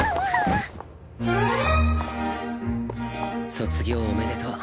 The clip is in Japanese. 卒業おめでとう。